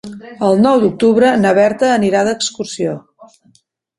El nou d'octubre na Berta anirà d'excursió.